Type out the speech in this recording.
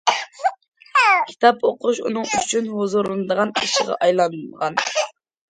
كىتاب ئوقۇش ئۇنىڭ ئۈچۈن ھۇزۇرلىنىدىغان ئىشىغا ئايلانغان.